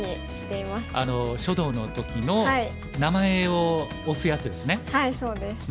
書道の時の名前を押すやつですね。